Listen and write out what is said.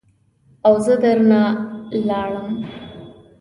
او زه در نه لاړم.